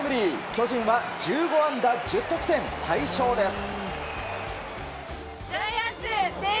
巨人は１５安打１０得点大勝です。